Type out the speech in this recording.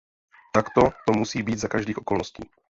Takto to musí být za každých okolností.